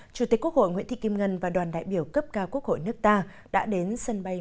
chủ tịch quốc hội nguyễn thị kim ngân và đoàn đại biểu cấp cao quốc hội nước ta đã đến sân bay